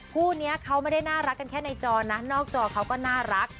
คู่นี้เขาไม่ได้น่ารักกันแค่ในจอนะนอกจอเขาก็น่ารัก